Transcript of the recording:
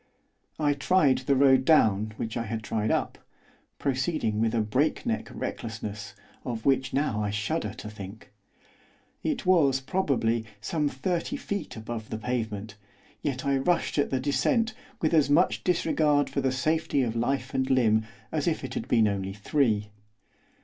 I tried the road down which I had tried up, proceeding with a breakneck recklessness of which now I shudder to think. It was, probably, some thirty feet above the pavement, yet I rushed at the descent with as much disregard for the safety of life and limb as if it had been only three.